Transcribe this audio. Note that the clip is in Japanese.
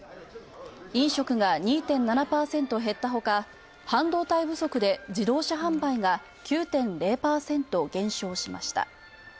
飲食が２．７％減ったほか半導体不足で自動車販売が９．０％減少しました。